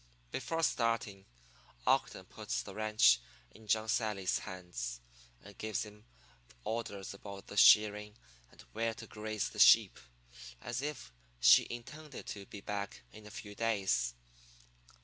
"Before starting, Ogden puts the ranch in John Sallies' hands and gives him orders about the shearing and where to graze the sheep, just as if he intended to be back in a few days.